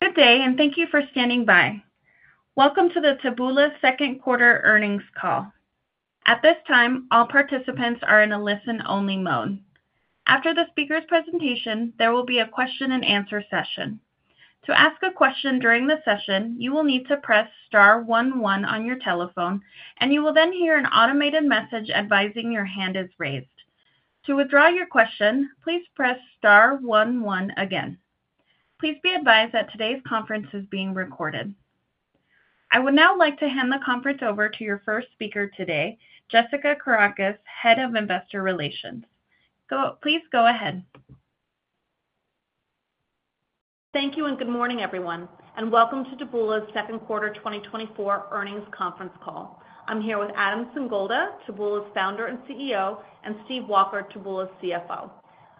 Good day and thank you for standing by. Welcome to the Taboola second quarter earnings call. At this time, all participants are in a listen-only mode. After the speaker's presentation, there will be a question-and-answer session. To ask a question during the session, you will need to press star one one on your telephone, and you will then hear an automated message advising your hand is raised. To withdraw your question, please press star one one again. Please be advised that today's conference is being recorded. I would now like to hand the conference over to your first speaker today, Jessica Karakatsanis, Head of Investor Relations. Please go ahead. Thank you, and good morning, everyone, and welcome to Taboola's second quarter 2024 earnings conference call. I'm here with Adam Singolda, Taboola's founder and CEO, and Steve Walker, Taboola's CFO.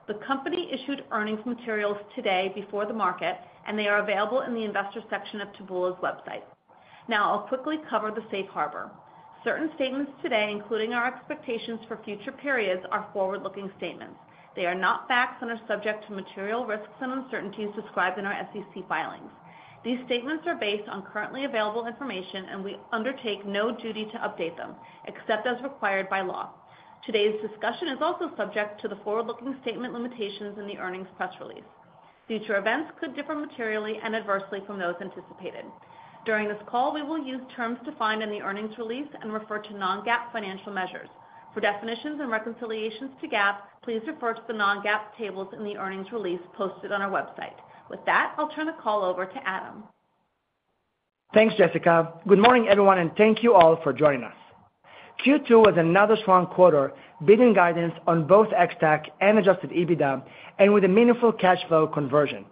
The company issued earnings materials today before the market, and they are available in the investor section of Taboola's website. Now, I'll quickly cover the safe harbor. Certain statements today, including our expectations for future periods, are forward-looking statements. They are not facts and are subject to material risks and uncertainties described in our SEC filings. These statements are based on currently available information, and we undertake no duty to update them, except as required by law. Today's discussion is also subject to the forward-looking statement limitations in the earnings press release. Future events could differ materially and adversely from those anticipated. During this call, we will use terms defined in the earnings release and refer to non-GAAP financial measures. For definitions and reconciliations to GAAP, please refer to the non-GAAP tables in the earnings release posted on our website. With that, I'll turn the call over to Adam. Thanks, Jessica. Good morning, everyone, and thank you all for joining us. Q2 was another strong quarter, beating guidance on both Ex-TAC and adjusted EBITDA, and with a meaningful cash flow conversion.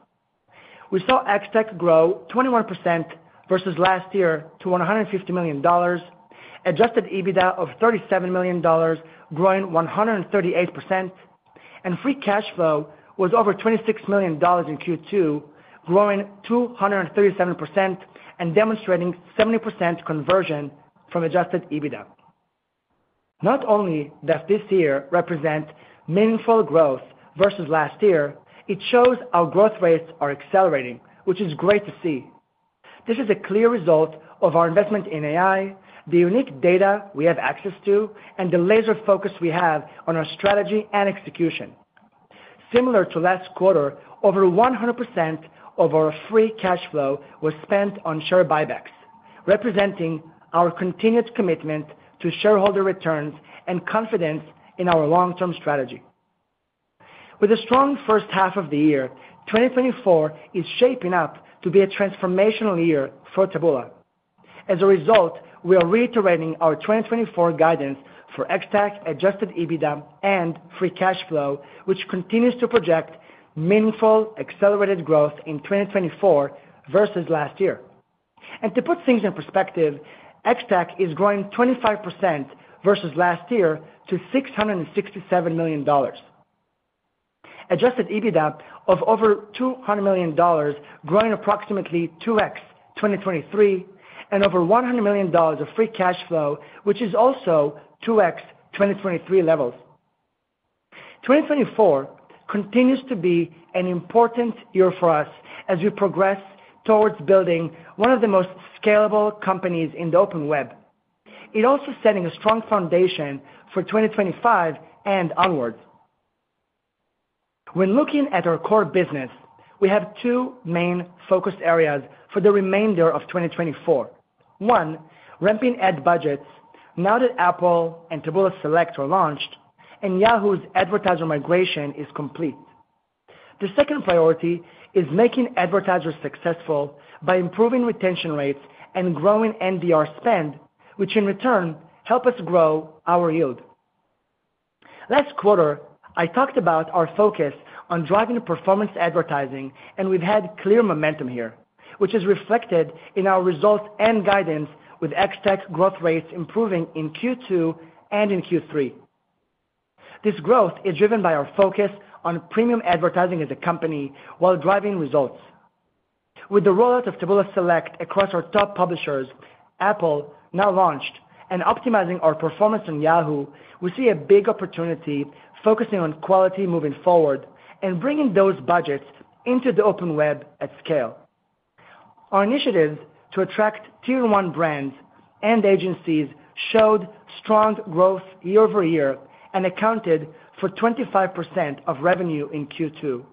We saw Ex-TAC grow 21% versus last year to $150 million. Adjusted EBITDA of $37 million, growing 138%, and free cash flow was over $26 million in Q2, growing 237% and demonstrating 70% conversion from adjusted EBITDA. Not only does this year represent meaningful growth versus last year, it shows our growth rates are accelerating, which is great to see. This is a clear result of our investment in AI, the unique data we have access to, and the laser focus we have on our strategy and execution. Similar to last quarter, over 100% of our free cash flow was spent on share buybacks, representing our continued commitment to shareholder returns and confidence in our long-term strategy. With a strong first half of the year, 2024 is shaping up to be a transformational year for Taboola. As a result, we are reiterating our 2024 guidance for Ex-TAC, adjusted EBITDA, and free cash flow, which continues to project meaningful accelerated growth in 2024 versus last year. And to put things in perspective, Ex-TAC is growing 25% versus last year to $667 million. Adjusted EBITDA of over $200 million, growing approximately 2x 2023, and over $100 million of free cash flow, which is also 2x 2023 levels. 2024 continues to be an important year for us as we progress towards building one of the most scalable companies in the open web. It's also setting a strong foundation for 2025 and onwards. When looking at our core business, we have two main focus areas for the remainder of 2024. One, ramping ad budgets now that Apple and Taboola Select were launched and Yahoo's advertiser migration is complete. The second priority is making advertisers successful by improving retention rates and growing NDR spend, which in return help us grow our yield. Last quarter, I talked about our focus on driving performance advertising, and we've had clear momentum here, which is reflected in our results and guidance with Ex-TAC growth rates improving in Q2 and in Q3. This growth is driven by our focus on premium advertising as a company while driving results. With the rollout of Taboola Select across our top publishers, Apple now launched, and optimizing our performance on Yahoo, we see a big opportunity focusing on quality moving forward and bringing those budgets into the open web at scale. Our initiatives to attract tier-one brands and agencies showed strong growth year-over-year and accounted for 25% of revenue in Q2.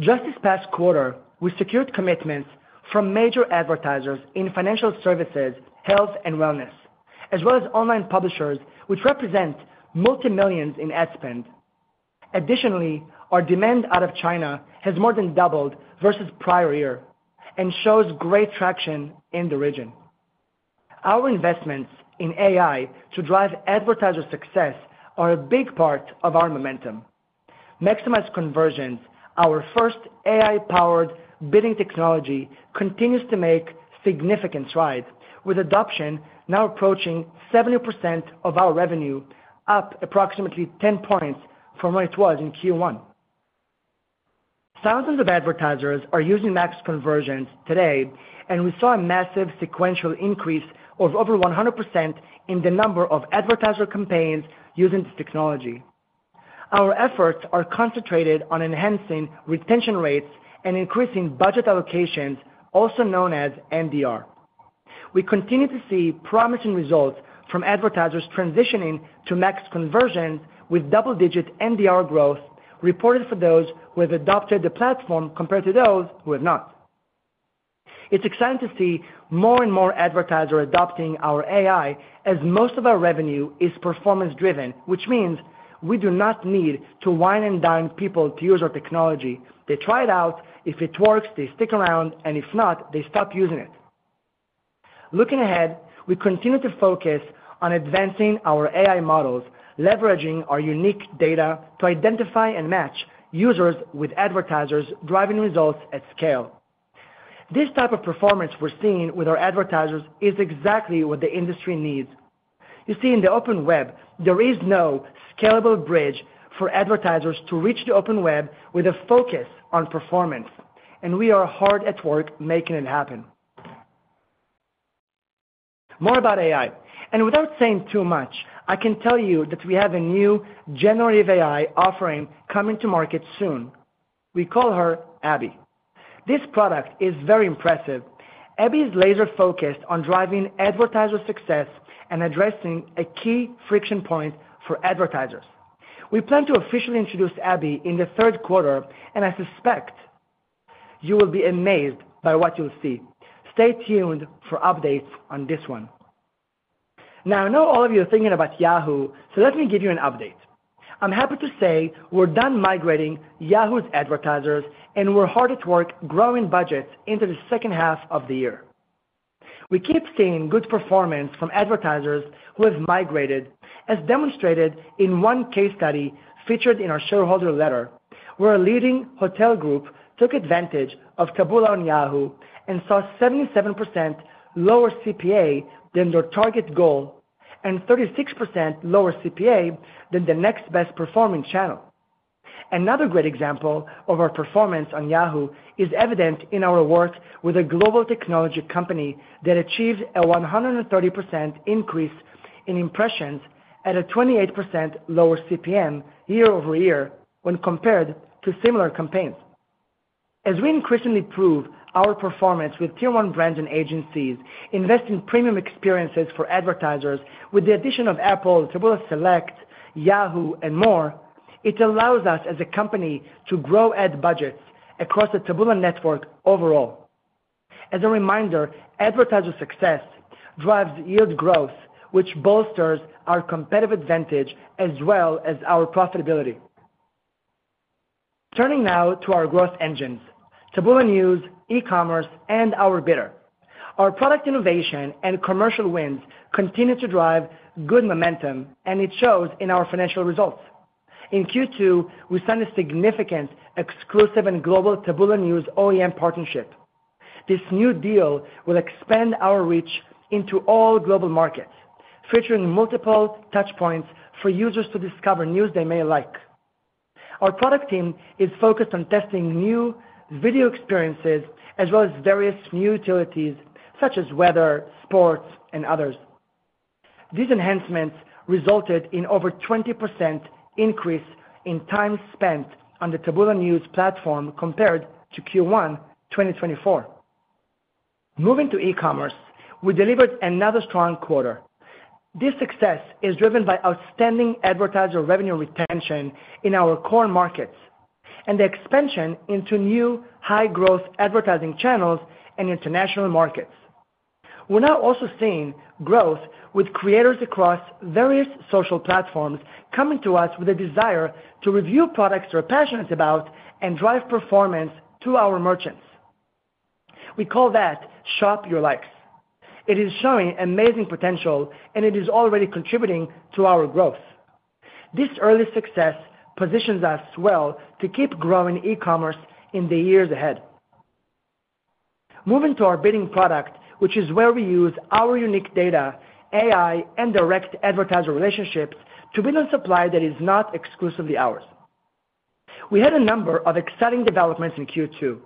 Just this past quarter, we secured commitments from major advertisers in financial services, health and wellness, as well as online publishers, which represent $multi-millions in ad spend. Additionally, our demand out of China has more than doubled versus prior year and shows great traction in the region. Our investments in AI to drive advertiser success are a big part of our momentum. Maximize Conversions, our first AI-powered bidding technology, continues to make significant strides, with adoption now approaching 70% of our revenue, up approximately 10 points from where it was in Q1. Thousands of advertisers are using Max Conversions today, and we saw a massive sequential increase of over 100% in the number of advertiser campaigns using this technology. Our efforts are concentrated on enhancing retention rates and increasing budget allocations, also known as NDR. We continue to see promising results from advertisers transitioning to Max Conversion, with double-digit NDR growth reported for those who have adopted the platform compared to those who have not. It's exciting to see more and more advertisers adopting our AI, as most of our revenue is performance-driven, which means we do not need to wine and dine people to use our technology. They try it out. If it works, they stick around, and if not, they stop using it. Looking ahead, we continue to focus on advancing our AI models, leveraging our unique data to identify and match users with advertisers, driving results at scale. This type of performance we're seeing with our advertisers is exactly what the industry needs. You see, in the open web, there is no scalable bridge for advertisers to reach the open web with a focus on performance, and we are hard at work making it happen. More about AI, and without saying too much, I can tell you that we have a new generative AI offering coming to market soon. We call her Abby. This product is very impressive. Abby is laser-focused on driving advertiser success and addressing a key friction point for advertisers. We plan to officially introduce Abby in the third quarter, and I suspect you will be amazed by what you'll see. Stay tuned for updates on this one. Now, I know all of you are thinking about Yahoo!, so let me give you an update. I'm happy to say we're done migrating Yahoo's advertisers, and we're hard at work growing budgets into the second half of the year. We keep seeing good performance from advertisers who have migrated, as demonstrated in one case study featured in our shareholder letter, where a leading hotel group took advantage of Taboola on Yahoo! and saw 77% lower CPA than their target goal and 36% lower CPA than the next best-performing channel. Another great example of our performance on Yahoo! is evident in our work with a global technology company that achieved a 130% increase in impressions at a 28% lower CPM year-over-year when compared to similar campaigns. As we increasingly prove our performance with tier-one brands and agencies, invest in premium experiences for advertisers with the addition of Apple, Taboola Select, Yahoo, and more, it allows us as a company to grow ad budgets across the Taboola network overall. As a reminder, advertiser success drives yield growth, which bolsters our competitive advantage as well as our profitability. Turning now to our growth engines, Taboola News, e-commerce, and our bidder. Our product innovation and commercial wins continue to drive good momentum, and it shows in our financial results. In Q2, we signed a significant exclusive and global Taboola News OEM partnership. This new deal will expand our reach into all global markets, featuring multiple touch points for users to discover news they may like. Our product team is focused on testing new video experiences, as well as various new utilities, such as weather, sports, and others. These enhancements resulted in over 20% increase in time spent on the Taboola News platform compared to Q1, 2024. Moving to e-commerce, we delivered another strong quarter. This success is driven by outstanding advertiser revenue retention in our core markets and the expansion into new high-growth advertising channels and international markets. We're now also seeing growth with creators across various social platforms coming to us with a desire to review products they're passionate about and drive performance to our merchants. We call that Shop Your Likes. It is showing amazing potential, and it is already contributing to our growth. This early success positions us well to keep growing e-commerce in the years ahead. Moving to our bidding product, which is where we use our unique data, AI, and direct advertiser relationships to bid on supply that is not exclusively ours. We had a number of exciting developments in Q2.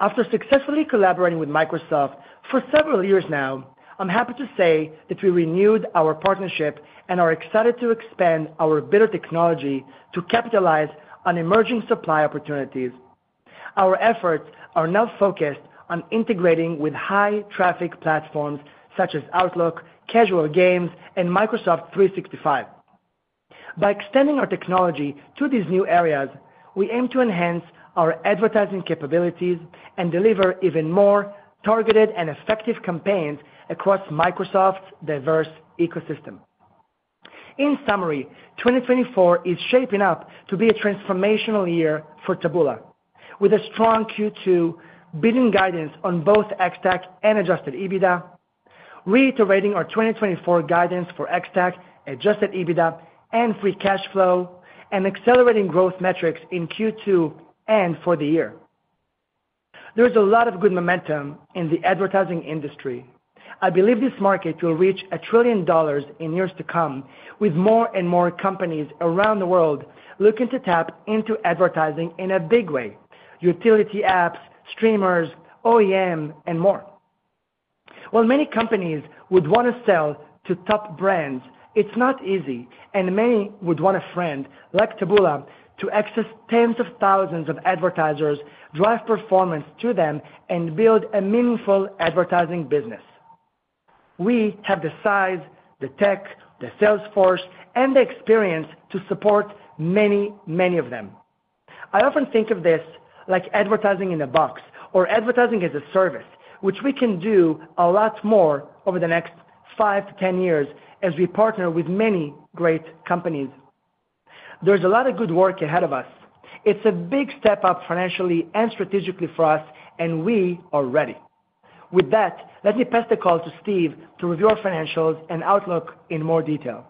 After successfully collaborating with Microsoft for several years now, I'm happy to say that we renewed our partnership and are excited to expand our bidder technology to capitalize on emerging supply opportunities. Our efforts are now focused on integrating with high-traffic platforms such as Outlook, Casual Games, and Microsoft 365. By extending our technology to these new areas, we aim to enhance our advertising capabilities and deliver even more targeted and effective campaigns across Microsoft's diverse ecosystem. In summary, 2024 is shaping up to be a transformational year for Taboola, with a strong Q2 bidding guidance on both Ex-TAC and adjusted EBITDA, reiterating our 2024 guidance for Ex-TAC, adjusted EBITDA, and free cash flow, and accelerating growth metrics in Q2 and for the year. There is a lot of good momentum in the advertising industry. I believe this market will reach $1 trillion in years to come, with more and more companies around the world looking to tap into advertising in a big way, utility apps, streamers, OEM, and more. While many companies would wanna sell to top brands, it's not easy, and many would want a friend like Taboola to access tens of thousands of advertisers, drive performance to them, and build a meaningful advertising business. We have the size, the tech, the sales force, and the experience to support many, many of them. I often think of this like advertising in a box or advertising as a service, which we can do a lot more over the next 5-10 years as we partner with many great companies. There's a lot of good work ahead of us. It's a big step up financially and strategically for us, and we are ready. With that, let me pass the call to Steve to review our financials and outlook in more detail.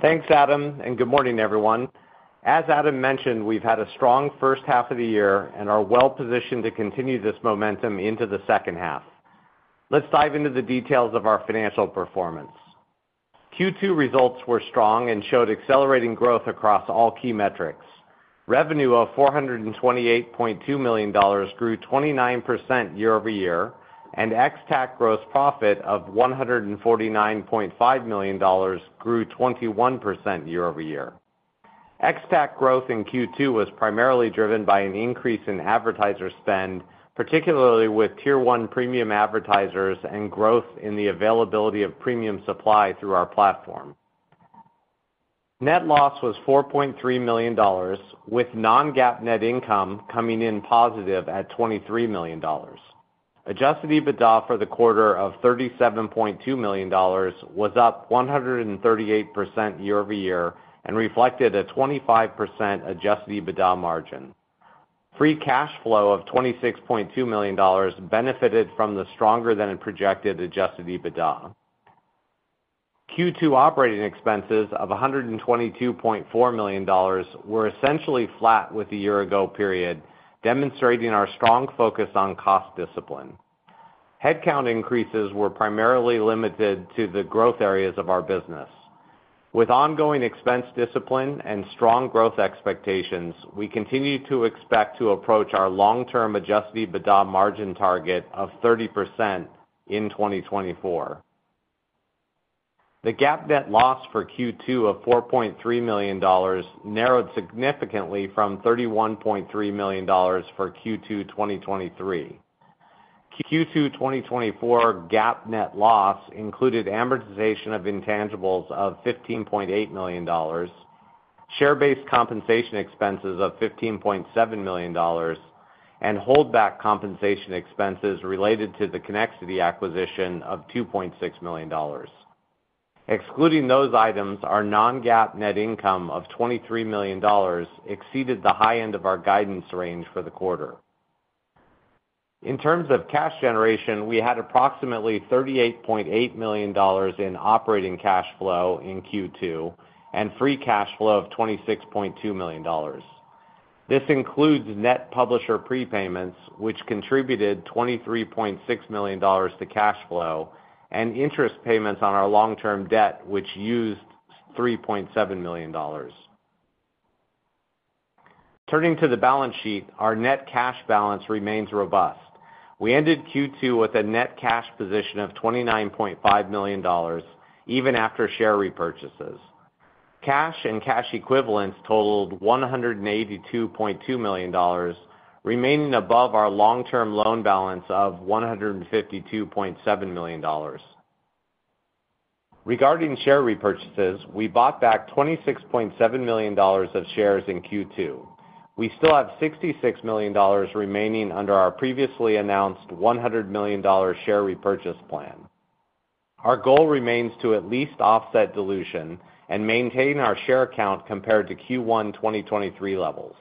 Thanks, Adam, and good morning, everyone. As Adam mentioned, we've had a strong first half of the year and are well-positioned to continue this momentum into the second half. Let's dive into the details of our financial performance. Q2 results were strong and showed accelerating growth across all key metrics. Revenue of $428.2 million grew 29% year-over-year, and Ex-TAC gross profit of $149.5 million grew 21% year-over-year. Ex-TAC growth in Q2 was primarily driven by an increase in advertiser spend, particularly with tier one premium advertisers and growth in the availability of premium supply through our platform. Net loss was $4.3 million, with non-GAAP net income coming in positive at $23 million. Adjusted EBITDA for the quarter of $37.2 million was up 138% year-over-year and reflected a 25% adjusted EBITDA margin. Free cash flow of $26.2 million benefited from the stronger than projected adjusted EBITDA. Q2 operating expenses of $122.4 million were essentially flat with the year-ago period, demonstrating our strong focus on cost discipline. Headcount increases were primarily limited to the growth areas of our business. With ongoing expense discipline and strong growth expectations, we continue to expect to approach our long-term adjusted EBITDA margin target of 30% in 2024. The GAAP net loss for Q2 of $4.3 million narrowed significantly from $31.3 million for Q2 2023. Q2 2024 GAAP net loss included amortization of intangibles of $15.8 million, share-based compensation expenses of $15.7 million, and holdback compensation expenses related to the Connexity acquisition of $2.6 million. Excluding those items, our non-GAAP net income of $23 million exceeded the high end of our guidance range for the quarter. In terms of cash generation, we had approximately $38.8 million in operating cash flow in Q2, and free cash flow of $26.2 million. This includes net publisher prepayments, which contributed $23.6 million to cash flow, and interest payments on our long-term debt, which used $3.7 million. Turning to the balance sheet, our net cash balance remains robust. We ended Q2 with a net cash position of $29.5 million, even after share repurchases. Cash and cash equivalents totaled $182.2 million, remaining above our long-term loan balance of $152.7 million. Regarding share repurchases, we bought back $26.7 million of shares in Q2. We still have $66 million remaining under our previously announced $100 million share repurchase plan. Our goal remains to at least offset dilution and maintain our share count compared to Q1 2023 levels.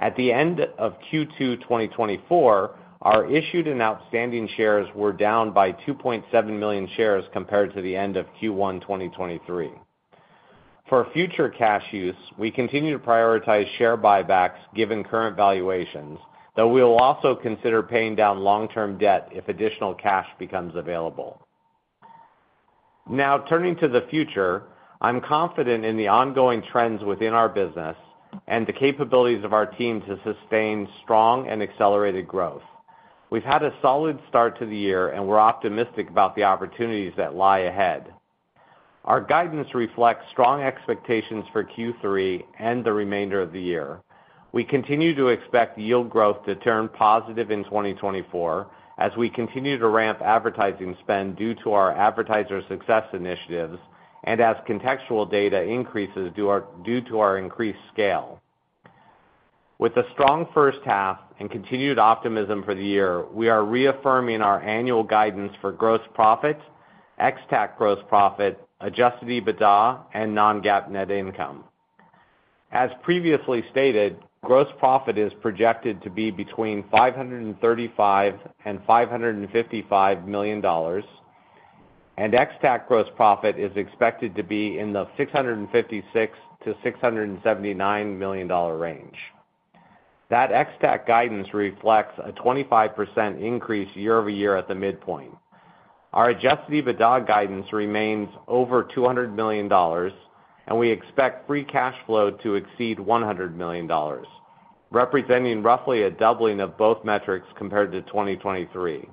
At the end of Q2 2024, our issued and outstanding shares were down by 2.7 million shares compared to the end of Q1 2023. For future cash use, we continue to prioritize share buybacks, given current valuations, though we will also consider paying down long-term debt if additional cash becomes available. Now, turning to the future, I'm confident in the ongoing trends within our business and the capabilities of our team to sustain strong and accelerated growth. We've had a solid start to the year, and we're optimistic about the opportunities that lie ahead. Our guidance reflects strong expectations for Q3 and the remainder of the year. We continue to expect yield growth to turn positive in 2024, as we continue to ramp advertising spend due to our advertiser success initiatives and as contextual data increases due to our increased scale. With a strong first half and continued optimism for the year, we are reaffirming our annual guidance for gross profit, ex-TAC gross profit, adjusted EBITDA, and non-GAAP net income. As previously stated, gross profit is projected to be between $535 million and $555 million, and ex-TAC gross profit is expected to be in the $656 million-$679 million range. That ex-TAC guidance reflects a 25% increase year-over-year at the midpoint. Our Adjusted EBITDA guidance remains over $200 million, and we expect free cash flow to exceed $100 million, representing roughly a doubling of both metrics compared to 2023.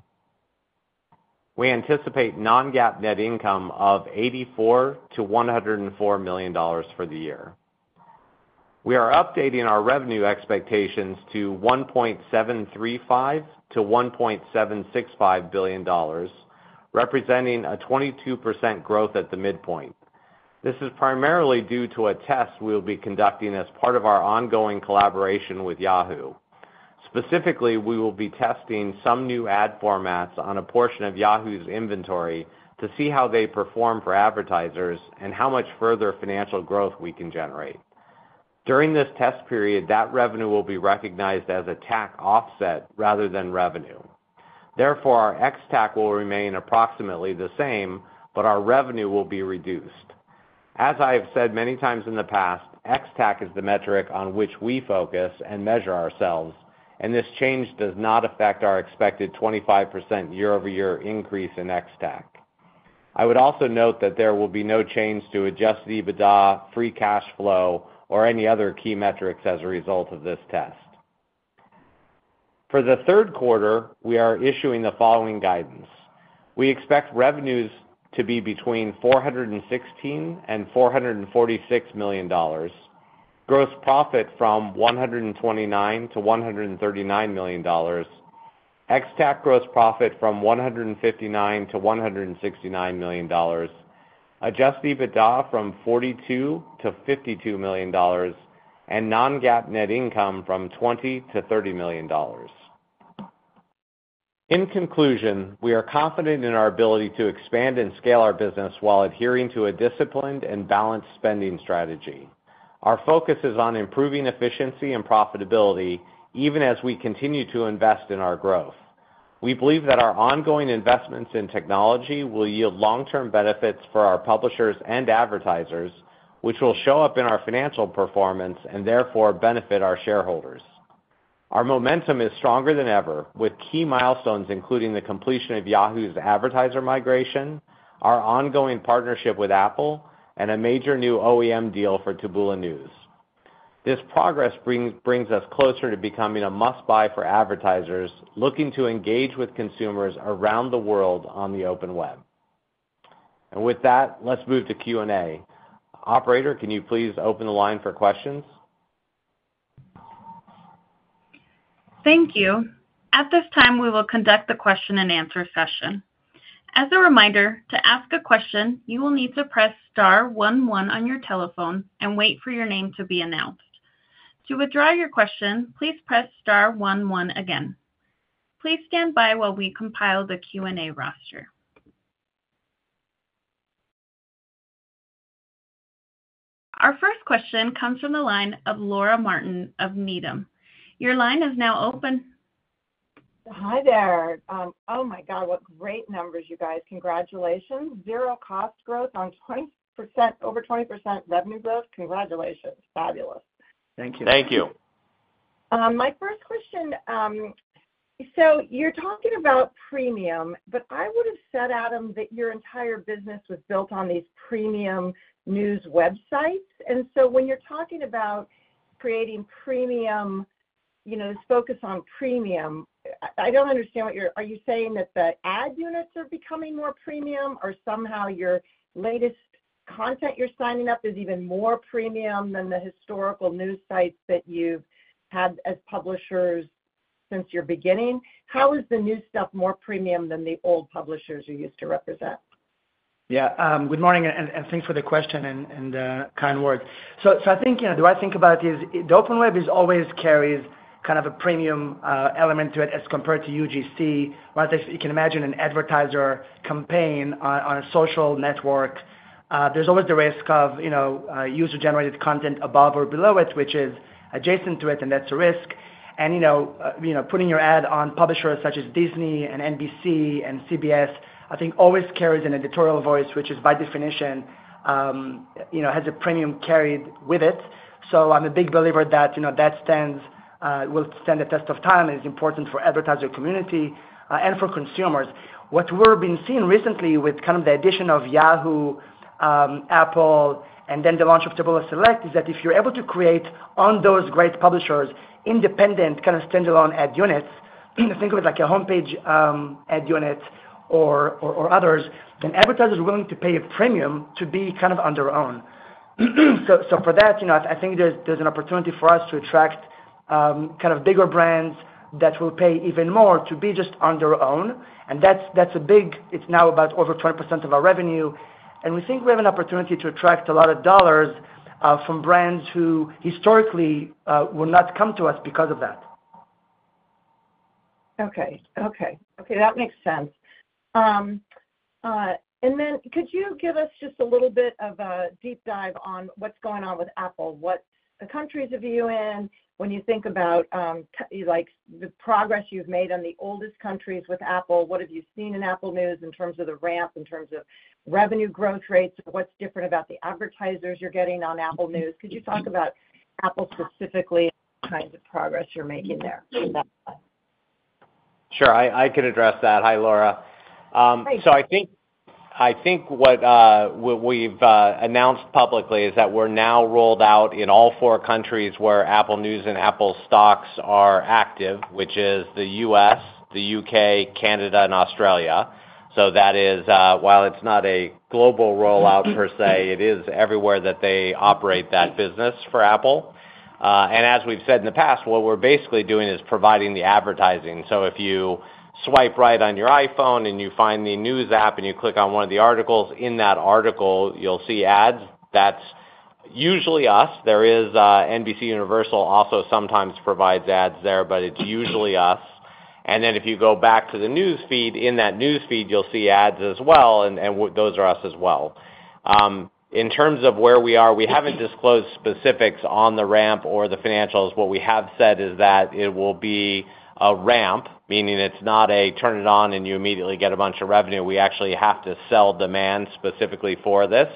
We anticipate non-GAAP net income of $84 million-$104 million for the year. We are updating our revenue expectations to $1.735 billion-$1.765 billion, representing a 22% growth at the midpoint. This is primarily due to a test we'll be conducting as part of our ongoing collaboration with Yahoo! Specifically, we will be testing some new ad formats on a portion of Yahoo's inventory to see how they perform for advertisers and how much further financial growth we can generate. During this test period, that revenue will be recognized as a TAC offset rather than revenue. Therefore, our ex-TAC will remain approximately the same, but our revenue will be reduced. As I have said many times in the past, ex-TAC is the metric on which we focus and measure ourselves, and this change does not affect our expected 25% year-over-year increase in ex-TAC. I would also note that there will be no change to Adjusted EBITDA, free cash flow, or any other key metrics as a result of this test. For the third quarter, we are issuing the following guidance. We expect revenues to be between $416 million and $446 million. Gross profit $129 million-$139 million. Ex-TAC gross profit $159 million-$169 million. Adjusted EBITDA $42 million-$52 million, and non-GAAP net income $20 million-$30 million. In conclusion, we are confident in our ability to expand and scale our business while adhering to a disciplined and balanced spending strategy. Our focus is on improving efficiency and profitability, even as we continue to invest in our growth. We believe that our ongoing investments in technology will yield long-term benefits for our publishers and advertisers, which will show up in our financial performance and therefore benefit our shareholders. Our momentum is stronger than ever, with key milestones, including the completion of Yahoo's advertiser migration, our ongoing partnership with Apple, and a major new OEM deal for Taboola News. This progress brings us closer to becoming a must-buy for advertisers looking to engage with consumers around the world on the open web. And with that, let's move to Q&A. Operator, can you please open the line for questions? Thank you. At this time, we will conduct the question-and-answer session. As a reminder, to ask a question, you will need to press *1 1, on your telephone and wait for your name to be announced. To withdraw your question, please press *1 1 again. Please stand by while we compile the Q&A roster. Our first question comes from the line of Laura Martin of Needham. Your line is now open. Hi there. Oh, my God, what great numbers, you guys! Congratulations. Zero cost growth on 20%, over 20% revenue growth. Congratulations. Fabulous. Thank you. Thank you. My first question, so, you're talking about premium, but I would have said, Adam, that your entire business was built on these premium news websites. And so, when you're talking about creating premium, you know, focus on premium, I, I don't understand what you're, are you saying that the ad units are becoming more premium, or somehow your latest content you're signing up is even more premium than the historical news sites that you've had as publishers since your beginning? How is the new stuff more premium than the old publishers you used to represent? Yeah, good morning, and thanks for the question and kind words. So, I think, you know, the way I think about it is the Open Web always carries kind of a premium element to it as compared to UGC. Once you can imagine an advertiser campaign on a social network, there's always the risk of, you know, user-generated content above or below it, which is adjacent to it, and that's a risk. And you know, putting your ad on publishers such as Disney, and NBC, and CBS, I think always carries an editorial voice, which is, by definition, has a premium carried with it. So, I'm a big believer that, you know, that will stand the test of time, and it's important for advertiser community and for consumers. What we're seeing recently with kind of the addition of Yahoo, Apple, and then the launch of Taboola Select, is that if you're able to create on those great publishers, independent, kind of standalone ad units, think of it like a homepage ad unit or others, then advertisers are willing to pay a premium to be kind of on their own. So, for that, you know, I think there's an opportunity for us to attract kind of bigger brands that will pay even more to be just on their own, and that's a big, It's now about over 20% of our revenue, and we think we have an opportunity to attract a lot of dollars from brands who historically would not come to us because of that. Okay. Okay. Okay, that makes sense. And then could you give us just a little bit of a deep dive on what's going on with Apple? What the countries are you in when you think about, like, the progress you've made on the oldest countries with Apple, what have you seen in Apple News in terms of the ramp, in terms of revenue growth rates? What's different about the advertisers you're getting on Apple News? Could you talk about Apple specifically, and the kinds of progress you're making there with that? Sure, I can address that. Hi, Laura. So, I think what we've announced publicly is that we're now rolled out in all four countries where Apple News and Apple Stocks are active, which is the U.S., the U.K., Canada, and Australia. So that is while it's not a global rollout per se, it is everywhere that they operate that business for Apple. And as we've said in the past, what we're basically doing is providing the advertising. So, if you swipe right on your iPhone, and you find the News app, and you click on one of the articles, in that article, you'll see ads. That's usually us. There is NBCUniversal also sometimes provides ads there, but it's usually us. And then if you go back to the newsfeed, in that newsfeed, you'll see ads as well, and, and those are us as well. In terms of where we are, we haven't disclosed specifics on the ramp or the financials. What we have said is that it will be a ramp, meaning it's not a turn it on, and you immediately get a bunch of revenue. We actually have to sell demand specifically for this.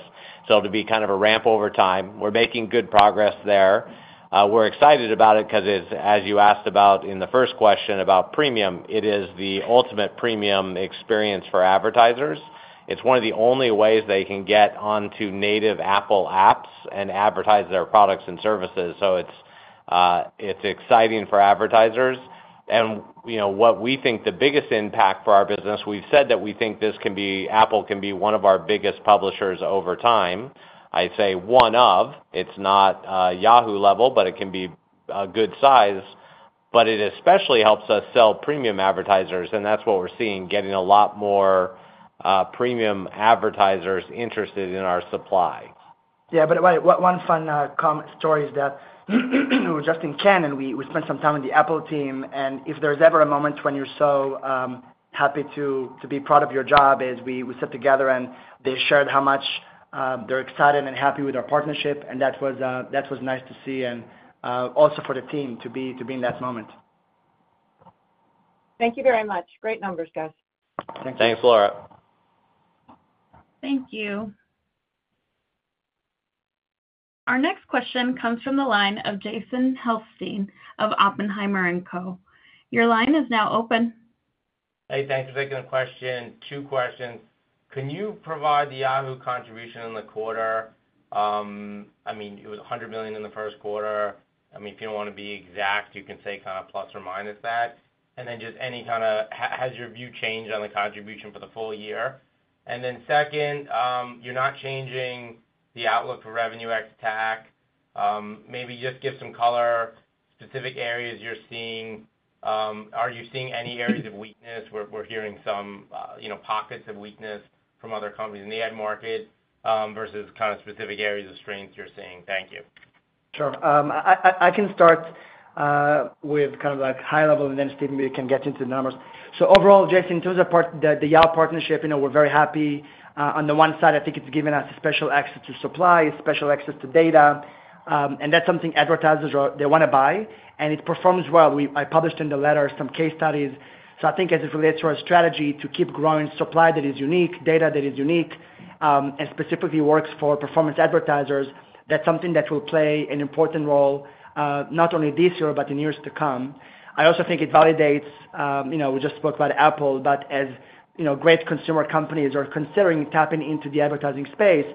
So, it'll be kind of a ramp over time. We're making good progress there. We're excited about it 'cause it's, as you asked about in the first question about premium, it is the ultimate premium experience for advertisers. It's one of the only ways they can get onto native Apple apps and advertise their products and services. So, it's, it's exciting for advertisers. You know, what we think the biggest impact for our business, we've said that we think this can be. Apple can be one of our biggest publishers over time. I'd say one of, it's not Yahoo level, but it can be a good size. But it especially helps us sell premium advertisers, and that's what we're seeing, getting a lot more premium advertisers interested in our supply. Yeah, but one fun story is that we were just in Cannes, and we spent some time with the Apple team. And if there's ever a moment when you're so happy to be proud of your job is we sat together, and they shared how much they're excited and happy with our partnership, and that was nice to see and also for the team to be in that moment. Thank you very much. Great numbers, guys. Thanks, Laura. Thank you. Our next question comes from the line of Jason Helfstein of Oppenheimer & Co. Your line is now open. Hey, thanks for taking the question. Two questions. Can you provide the Yahoo contribution in the quarter? I mean, it was $100 million in the first quarter. I mean, if you don't want to be exact, you can say kind of plus or minus that. And then just any kind of, has your view changed on the contribution for the full year? And then second, you're not changing the outlook for revenue Ex-TAC. Maybe just give some color, specific areas you're seeing. Are you seeing any areas of weakness? We're, we're hearing some, you know, pockets of weakness from other companies in the ad market, versus kind of specific areas of strength you're seeing. Thank you. Sure. I can start with kind of like high level, and then Steve, we can get into the numbers. So overall, Jason, in terms of the Yahoo partnership, you know, we're very happy. On the one side, I think it's given us special access to supply, special access to data, and that's something advertisers they wanna buy, and it performs well. I published in the letter some case studies. So, I think as it relates to our strategy to keep growing supply that is unique, data that is unique, and specifically works for performance advertisers, that's something that will play an important role, not only this year, but in years to come. I also think it validates, you know, we just spoke about Apple, but as, you know, great consumer companies are considering tapping into the advertising space,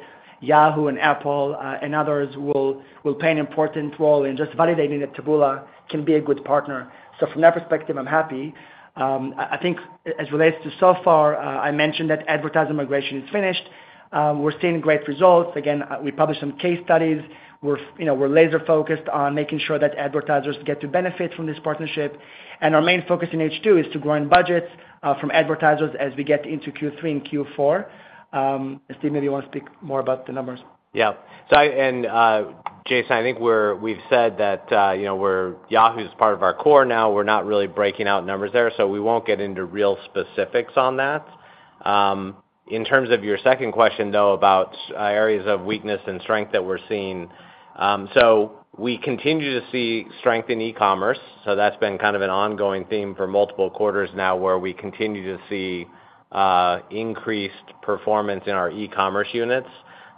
Yahoo and Apple, and others will, will play an important role in just validating that Taboola can be a good partner. So, from that perspective, I'm happy. I think as it relates to Yahoo, I mentioned that advertising migration is finished. We're seeing great results. Again, we published some case studies. You know, we're laser focused on making sure that advertisers get to benefit from this partnership. And our main focus in H2 is to grow in budgets, from advertisers as we get into Q3 and Q4. Steve, maybe you wanna speak more about the numbers? Yeah. So, Jason, I think we've said that, you know, Yahoo is part of our core now. We're not really breaking out numbers there, so we won't get into real specifics on that. In terms of your second question, though, about areas of weakness and strength that we're seeing. So, we continue to see strength in e-commerce, so that's been kind of an ongoing theme for multiple quarters now, where we continue to see increased performance in our e-commerce units.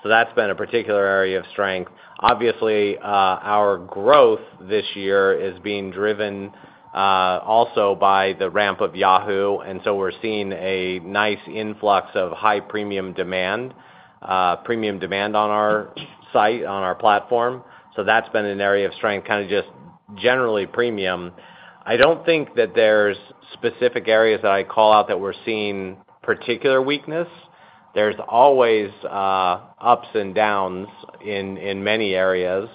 So that's been a particular area of strength. Obviously, our growth this year is being driven also by the ramp of Yahoo, and so we're seeing a nice influx of high premium demand, premium demand on our site, on our platform. So that's been an area of strength, kind of just generally premium. I don't think that there's specific areas that I call out that we're seeing particular weakness. There's always ups and downs in many areas.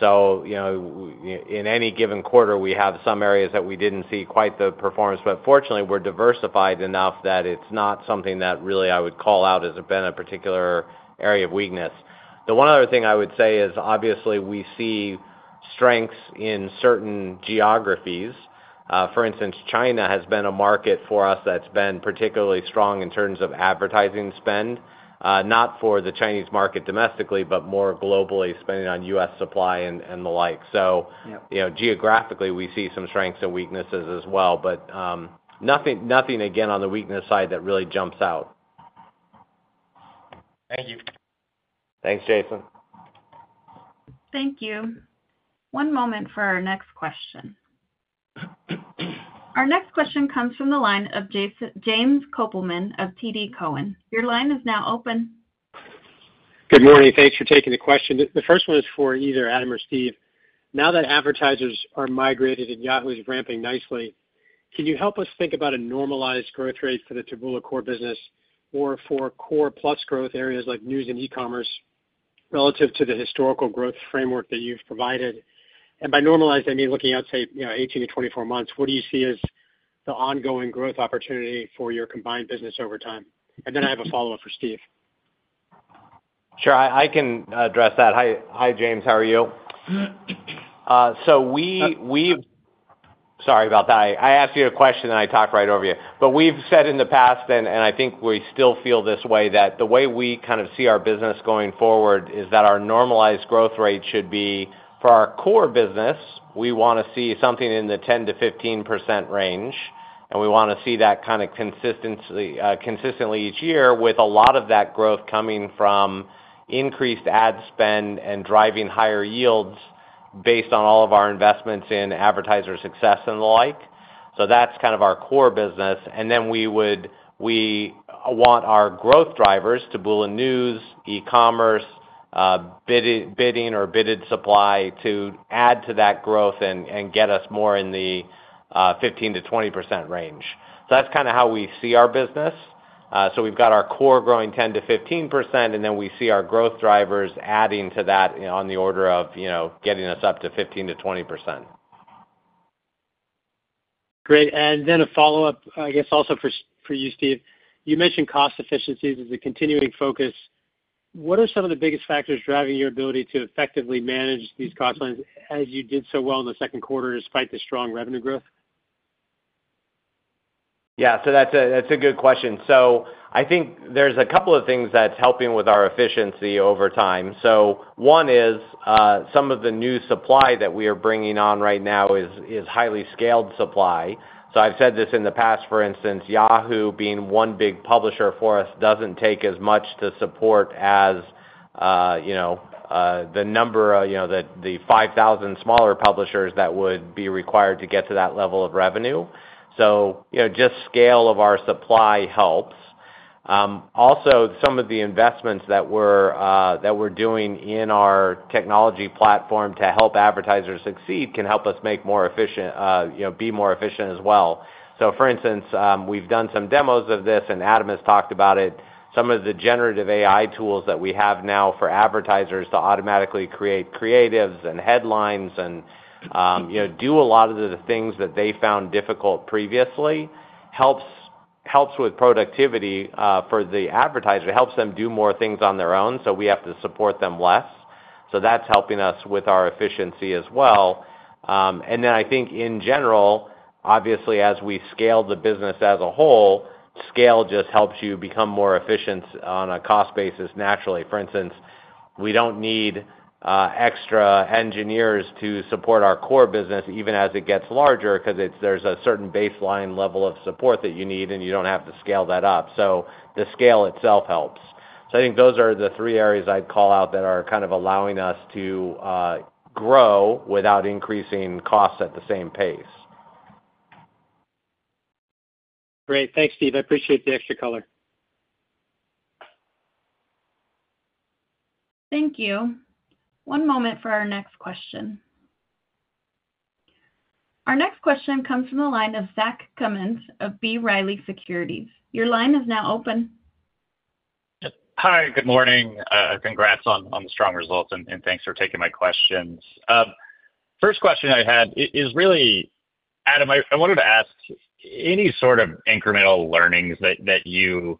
So, you know, in any given quarter, we have some areas that we didn't see quite the performance. But fortunately, we're diversified enough that it's not something that really, I would call out as being a particular area of weakness. The one other thing I would say is, obviously, we see strengths in certain geographies. For instance, China has been a market for us that's been particularly strong in terms of advertising spend, not for the Chinese market domestically, but more globally, spending on U.S. supply and the like. So- Yep. You know, geographically, we see some strengths and weaknesses as well. But, nothing, nothing, again, on the weakness side that really jumps out.... Thank you. Thanks, Jason. Thank you. One moment for our next question. Our next question comes from the line of James Kopelman of TD Cowen. Your line is now open. Good morning. Thanks for taking the question. The first one is for either Adam or Steve. Now that advertisers are migrated and Yahoo is ramping nicely, can you help us think about a normalized growth rate for the Taboola core business or for core plus growth areas like news and e-commerce, relative to the historical growth framework that you've provided? And by normalized, I mean, looking at, say, you know, 18-24 months, what do you see as the ongoing growth opportunity for your combined business over time? And then I have a follow-up for Steve. Sure, I, I can address that. Hi, hi, James, how are you? So, we—sorry about that. I asked you a question, and I talked right over you. But we've said in the past, and I think we still feel this way, that the way we kind of see our business going forward is that our normalized growth rate should be for our core business, we wanna see something in the 10%-15% range, and we wanna see that kind of consistency consistently each year, with a lot of that growth coming from increased ad spend and driving higher yields based on all of our investments in advertiser success and the like. So that's kind of our core business. And then we want our growth drivers, Taboola News, e-commerce, bidding or bidded supply, to add to that growth and get us more in the 15%-20% range. So that's kinda how we see our business. So we've got our core growing 10%-15%, and then we see our growth drivers adding to that, you know, on the order of, you know, getting us up to 15%-20%. Great. And then a follow-up, I guess, also for you, Steve. You mentioned cost efficiencies as a continuing focus. What are some of the biggest factors driving your ability to effectively manage these cost lines, as you did so well in the second quarter, despite the strong revenue growth? Yeah, so that's a good question. So I think there's a couple of things that's helping with our efficiency over time. So one is some of the new supply that we are bringing on right now is highly scaled supply. So I've said this in the past, for instance, Yahoo, being one big publisher for us, doesn't take as much to support as you know the 5,000 smaller publishers that would be required to get to that level of revenue. So, you know, just scale of our supply helps. Also, some of the investments that we're doing in our technology platform to help advertisers succeed can help us be more efficient as well. So for instance, we've done some demos of this, and Adam has talked about it. Some of the generative AI tools that we have now for advertisers to automatically create creatives and headlines and, you know, do a lot of the things that they found difficult previously, helps with productivity for the advertiser. It helps them do more things on their own, so we have to support them less. So that's helping us with our efficiency as well. And then I think in general, obviously, as we scale the business as a whole, scale just helps you become more efficient on a cost basis, naturally. For instance, we don't need extra engineers to support our core business, even as it gets larger, 'cause there's a certain baseline level of support that you need, and you don't have to scale that up, so the scale itself helps. So I think those are the three areas I'd call out that are kind of allowing us to grow without increasing costs at the same pace. Great. Thanks, Steve. I appreciate the extra color. Thank you. One moment for our next question. Our next question comes from the line of Zach Cummins of B. Riley Securities. Your line is now open. Yep. Hi, good morning. Congrats on the strong results, and thanks for taking my questions. First question I had is really, Adam, I wanted to ask any sort of incremental learnings that you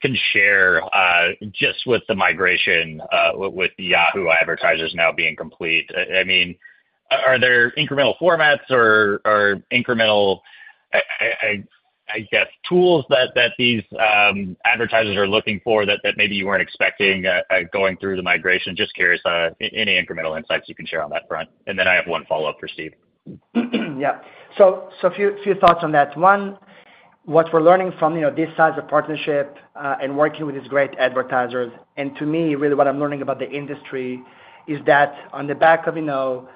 can share, just with the migration, with the Yahoo advertisers now being complete? I mean, are there incremental formats or incremental, I guess, tools that these advertisers are looking for, that maybe you weren't expecting, going through the migration? Just curious, any incremental insights you can share on that front. And then I have one follow-up for Steve. Yeah. So, a few thoughts on that. One, what we're learning from, you know, this size of partnership, and working with these great advertisers, and to me, really what I'm learning about the industry, is that on the back of, you know,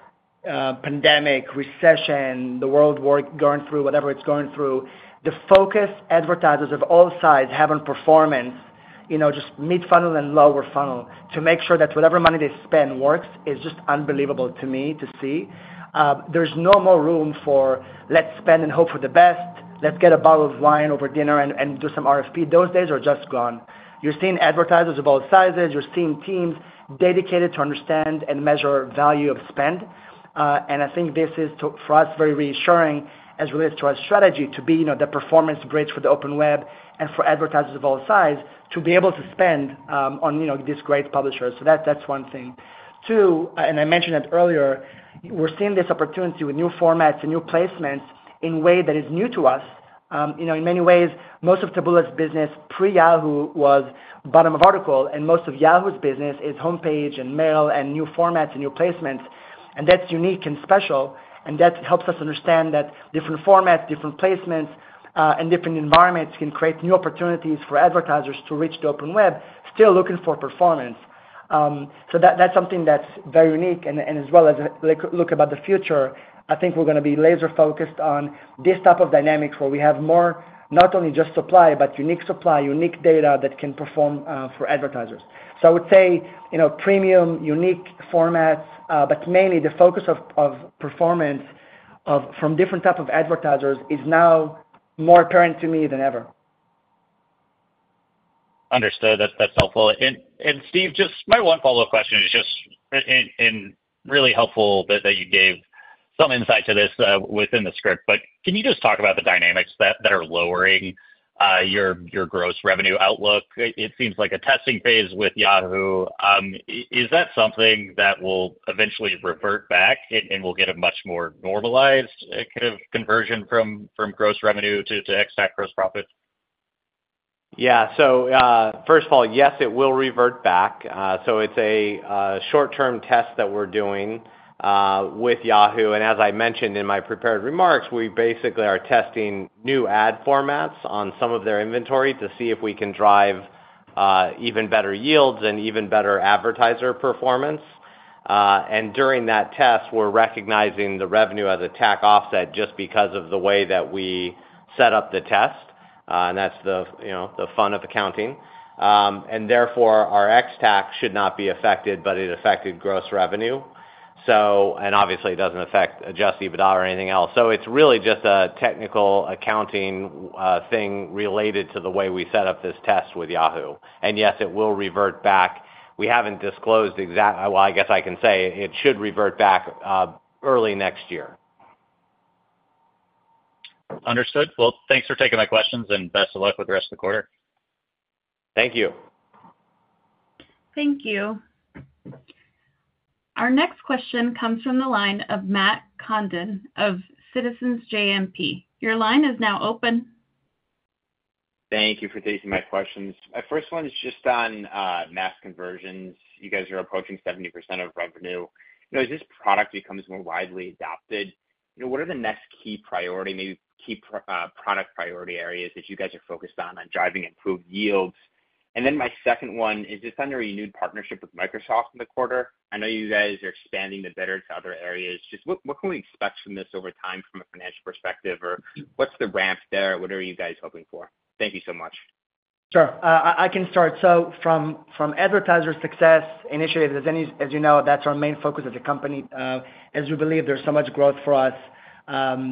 pandemic, recession, the world war going through, whatever it's going through, the focus advertisers of all sides have on performance, you know, just mid-funnel and lower funnel, to make sure that whatever money they spend works, is just unbelievable to me to see. There's no more room for, "Let's spend and hope for the best. Let's get a bottle of wine over dinner and do some RFP." Those days are just gone. You're seeing advertisers of all sizes, you're seeing teams dedicated to understand and measure value of spend. And I think this is for us very reassuring as it relates to our strategy to be, you know, the performance bridge for the Open Web and for advertisers of all sides to be able to spend on, you know, these great publishers. So that's one thing. Two, and I mentioned it earlier, we're seeing this opportunity with new formats and new placements in a way that is new to us. You know, in many ways, most of Taboola's business, pre-Yahoo, was bottom of article, and most of Yahoo's business is homepage and mail and new formats and new placements, and that's unique and special, and that helps us understand that different formats, different placements, and different environments can create new opportunities for advertisers to reach the Open Web, still looking for performance. So that's something that's very unique, and as well as, like, look about the future, I think we're gonna be laser focused on this type of dynamics, where we have more not only just supply, but unique supply, unique data that can perform for advertisers. So, I would say, you know, premium, unique formats, but mainly the focus of performance from different type of advertisers is now more apparent to me than ever. Understood. That's, that's helpful. And Steve, just my one follow-up question is just, and really helpful that you gave some insight to this within the script, but can you just talk about the dynamics that are lowering your gross revenue outlook? It seems like a testing phase with Yahoo. Is that something that will eventually revert back, and we'll get a much more normalized kind of conversion from gross revenue to ex-TAC gross profit? Yeah. So, first of all, yes, it will revert back. So, it's a short-term test that we're doing with Yahoo. And as I mentioned in my prepared remarks, we basically are testing new ad formats on some of their inventory to see if we can drive even better yields and even better advertiser performance. And during that test, we're recognizing the revenue as a TAC offset just because of the way that we set up the test, and that's the, you know, the fun of accounting. And therefore, our Ex-TAC should not be affected, but it affected gross revenue. So, and obviously, it doesn't affect Adjusted EBITDA or anything else. So, it's really just a technical accounting thing related to the way we set up this test with Yahoo. And yes, it will revert back. We haven't disclosed exact, well, I guess I can say it should revert back early next year. Understood. Well, thanks for taking my questions, and best of luck with the rest of the quarter. Thank you. Thank you. Our next question comes from the line of Matt Condon of Citizens JMP. Your line is now open. Thank you for taking my questions. My first one is just on Maximize Conversions. You guys are approaching 70% of revenue. You know, as this product becomes more widely adopted, you know, what are the next key priority, maybe key product priority areas that you guys are focused on, on driving improved yields? And then my second one is, is this under a new partnership with Microsoft in the quarter? I know you guys are expanding the bidder to other areas. Just what, what can we expect from this over time from a financial perspective, or what's the ramp there? What are you guys hoping for? Thank you so much. Sure. I can start. So, from advertiser success initiatives, as you know, that's our main focus as a company, as we believe there's so much growth for us,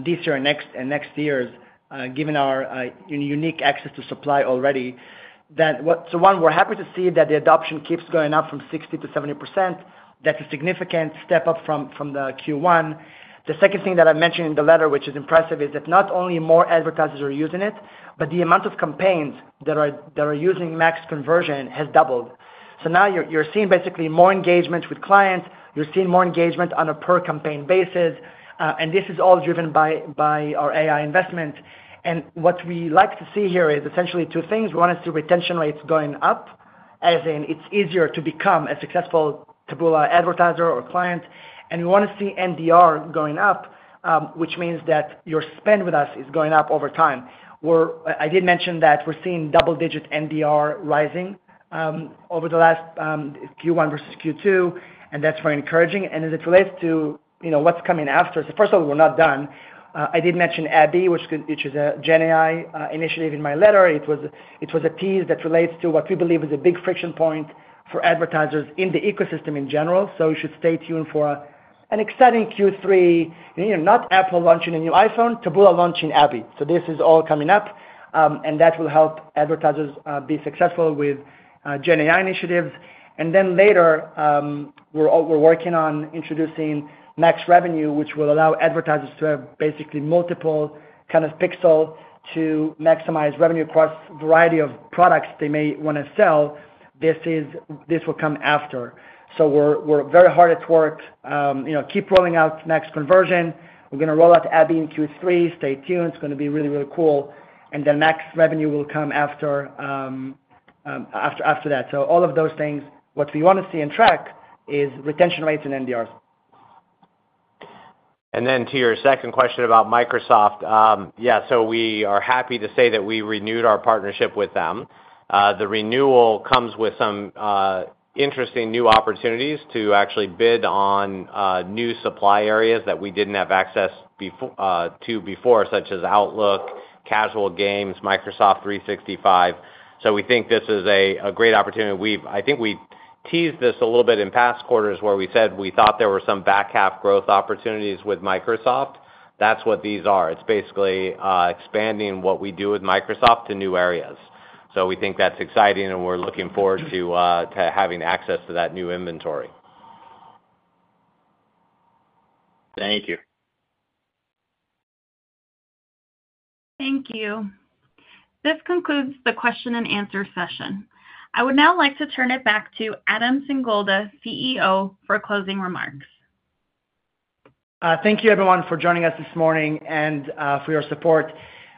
this year and next, and next years, given our unique access to supply already. So one, we're happy to see that the adoption keeps going up from 60% to 70%. That's a significant step up from the Q1. The second thing that I mentioned in the letter, which is impressive, is that not only more advertisers are using it, but the amount of campaigns that are using max conversion has doubled. So now you're seeing basically more engagement with clients, you're seeing more engagement on a per-campaign basis, and this is all driven by our AI investment. And what we like to see here is essentially two things: We want to see retention rates going up, as in, it's easier to become a successful Taboola advertiser or client, and we wanna see NDR going up, which means that your spend with us is going up over time. I did mention that we're seeing double-digit NDR rising over the last Q1 versus Q2, and that's very encouraging. And as it relates to, you know, what's coming after us, so first of all, we're not done. I did mention Abby, which is a GenAI initiative in my letter. It was a tease that relates to what we believe is a big friction point for advertisers in the ecosystem in general. So you should stay tuned for an exciting Q3. You know, not Apple launching a new iPhone, Taboola launching Abby. So, this is all coming up, and that will help advertisers be successful with GenAI initiatives. And then later, we're working on introducing Maximize Revenue, which will allow advertisers to have basically multiple kind of pixel to maximize revenue across a variety of products they may wanna sell. This will come after. So, we're very hard at work, you know, keep rolling out Max Conversion. We're gonna roll out Abby in Q3. Stay tuned. It's gonna be really, really cool. And then next, revenue will come after, after that. So, all of those things. What we want to see, and track is retention rates and NDRs. To your second question about Microsoft. Yeah, so we are happy to say that we renewed our partnership with them. The renewal comes with some interesting new opportunities to actually bid on new supply areas that we didn't have access to before, such as Outlook, Casual Games, Microsoft 365. So, we think this is a great opportunity. I think we've teased this a little bit in past quarters, where we said we thought there were some back half growth opportunities with Microsoft. That's what these are. It's basically expanding what we do with Microsoft to new areas. So, we think that's exciting, and we're looking forward to having access to that new inventory. Thank you. Thank you. This concludes the question-and-answer session. I would now like to turn it back to Adam Singolda, CEO, for closing remarks. Thank you, everyone, for joining us this morning and, for your support.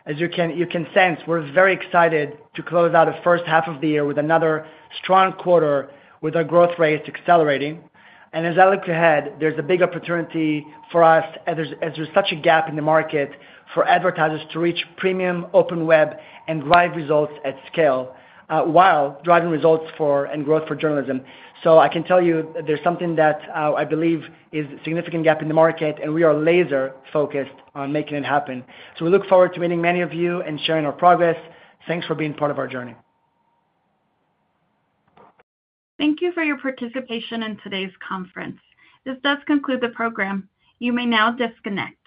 As you can sense, we're very excited to close out the first half of the year with another strong quarter, with our growth rate accelerating. As I look ahead, there's a big opportunity for us, as there's such a gap in the market for advertisers to reach premium open web and drive results at scale, while driving results for and growth for journalism. I can tell you that there's something that, I believe is a significant gap in the market, and we are laser focused on making it happen. We look forward to meeting many of you and sharing our progress. Thanks for being part of our journey. Thank you for your participation in today's conference. This does conclude the program. You may now disconnect.